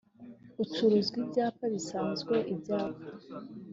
bicuruzwa ibyapa bisanzwe ibyapa